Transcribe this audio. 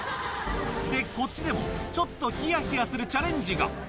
で、こっちでもちょっとひやひやするチャレンジが。